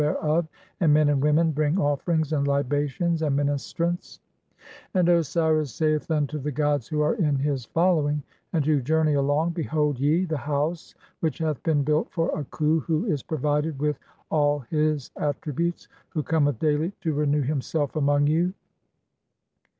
thereof, and men "and women bring offerings, and libations, and ministrants (?). "And Osiris saith unto (6) the gods who are in [his] following "and who journey along, 'Behold ye the house which hath been "built for a Khu who is provided (7) with [all his attributes], "who cometh daily to renew himself among you.